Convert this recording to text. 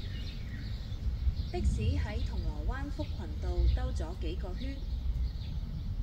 的士喺銅鑼灣福群道兜左幾個圈